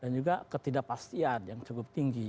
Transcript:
dan juga ketidakpastian yang cukup tinggi